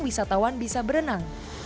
wisatawan bisa berenang